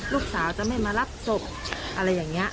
ลูกสาวจะไม่มารับศพอะไรอย่างนี้